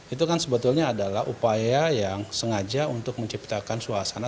itu kan sebetulnya adalah upaya yang sengaja untuk menciptakan suasana